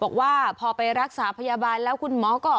บอกว่าพอไปรักษาพยาบาลแล้วคุณหมอก็